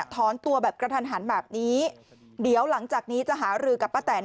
ถอนตัวแบบกระทันหันแบบนี้เดี๋ยวหลังจากนี้จะหารือกับป้าแตน